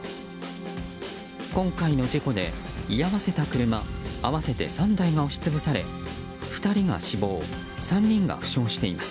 今回の事故で、居合わせた車合わせて３台が押し潰され２人が死亡３人が負傷しています。